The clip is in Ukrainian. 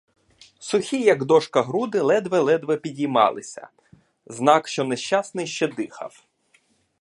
Сухі, як дошка, груди ледве-ледве підіймалися, — знак, що нещасний ще дихав.